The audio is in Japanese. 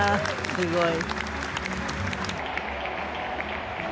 すごい。